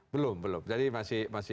belum belum jadi masih